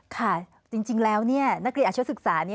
ค่ะจริงแล้วนักเรียนอาชีวศึกษานี้